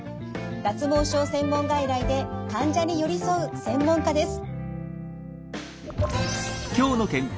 脱毛症専門外来で患者に寄り添う専門家です。